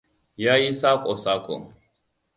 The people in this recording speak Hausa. Yayi sako-sako.